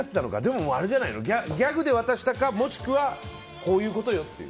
ギャグで渡したか、もしくはこういうことよっていう。